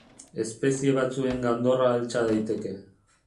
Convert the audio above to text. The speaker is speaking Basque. Espezie batzuen gandorra altxa daiteke.